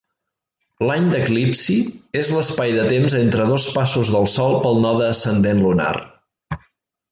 L'any d'eclipsis és l'espai de temps entre dos passos del Sol pel node ascendent lunar.